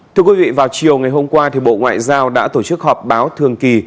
thưa quý vị vào chiều ngày hôm qua bộ ngoại giao đã tổ chức họp báo thường kỳ